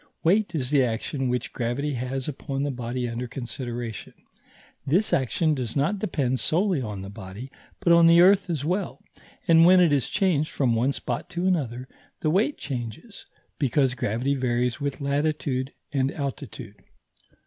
Weight is the action which gravity has upon the body under consideration; this action does not depend solely on the body, but on the earth as well; and when it is changed from one spot to another, the weight changes, because gravity varies with latitude and altitude.